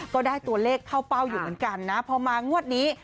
ก็ได้ตัวเลขเข้าเป้าอยู่เหมือนกันนะพอมางวดนี้